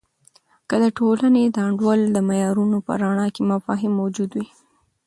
که د ټولنې د انډول د معیارونو په رڼا کې مفاهیم موجود وي.